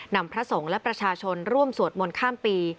พระสงฆ์และประชาชนร่วมสวดมนต์ข้ามปี